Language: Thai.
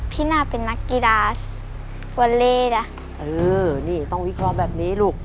น่าเป็นนักกีฬาวาเลจ้ะเออนี่ต้องวิเคราะห์แบบนี้ลูก